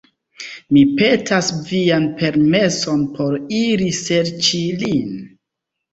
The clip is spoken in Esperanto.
Mi petas vian permeson por iri serĉi lin.”